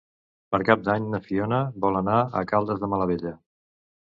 Per Cap d'Any na Fiona vol anar a Caldes de Malavella.